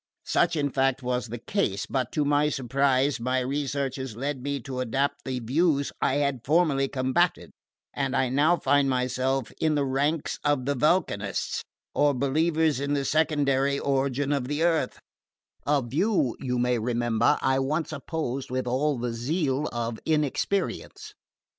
Such in fact was the case, but to my surprise my researches led me to adopt the views I had formerly combated, and I now find myself in the ranks of the Vulcanists, or believers in the secondary origin of the earth: a view you may remember I once opposed with all the zeal of inexperience.